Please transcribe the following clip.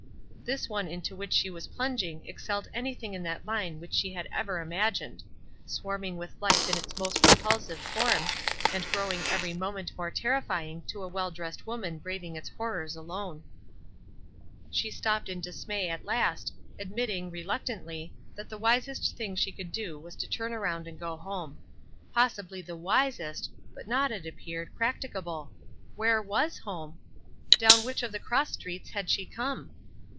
This one into which she was plunging excelled anything in that line which she had ever imagined, swarming with life in its most repulsive forms, and growing every moment more terrifying to a well dressed woman braving its horrors alone. She stopped in dismay at last, admitting, reluctantly, that the wisest thing she could do was to turn around and go home. Possibly the wisest, but not, it appeared, practicable. Where was home? Down which of the cross streets had she come?